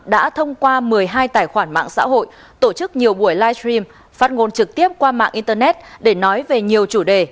đã thông qua một mươi hai tài khoản mạng xã hội tổ chức nhiều buổi live stream phát ngôn trực tiếp qua mạng internet để nói về nhiều chủ đề